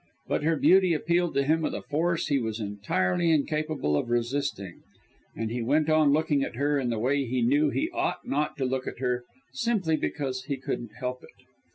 But her beauty appealed to him with a force he was entirely incapable of resisting, and he went on looking at her in the way he knew he ought not to look at her, simply because he couldn't help it.